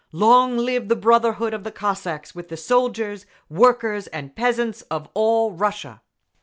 Long live the brotherhood of the Cossacks with the soldiers, workers and peasants of all Russia!